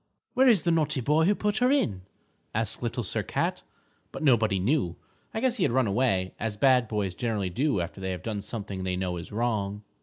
"Where is the naughty boy who put her in?" asked Little Sir Cat. But nobody knew. I guess he had run away, as bad boys generally do after they have done something they know is wrong.